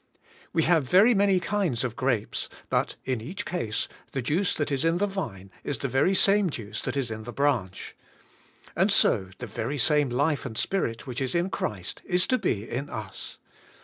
We have very many kinds of grapes, but in each case the juice that is in the vine is the very same juice that is in the branch. And so the very same life and Spirit which is in Christ is to be in us.